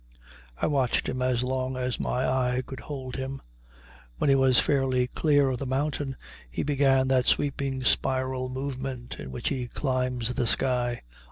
I watched him as long as my eye could hold him. When he was fairly clear of the mountain he began that sweeping spiral movement in which he climbs the sky.